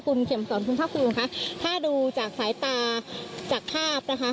คุณเข็มสอนคุณภาคภูมิค่ะถ้าดูจากสายตาจากภาพนะคะ